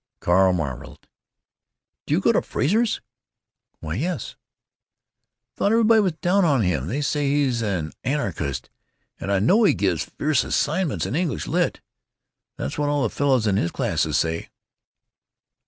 Carl marveled, "Do you go to Frazer's?" "Why, yes!" "Thought everybody was down on him. They say he's an anarchist, and I know he gives fierce assignments in English lit.; that's what all the fellows in his classes say."